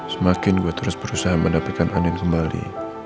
semakin gue terus berusaha mendapatkan anin kembali